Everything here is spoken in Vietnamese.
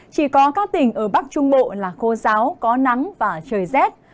chỉ có các tỉnh ở bắc trung bộ là khô giáo có nắng và trời rét